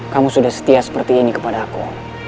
kamu sudah setia seperti ini kepada aku